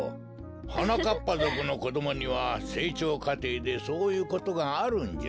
はなかっぱぞくのこどもにはせいちょうかていでそういうことがあるんじゃ。